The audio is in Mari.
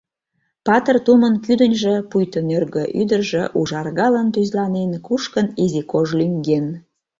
Патыр тумын кӱдыньжӧ, пуйто нӧргӧ ӱдыржӧ, ужаргалын, тӱзланен кушкын изи кож лӱҥген.